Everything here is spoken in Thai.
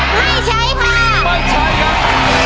ไม่ใช้ค่ะไม่ใช้ครับ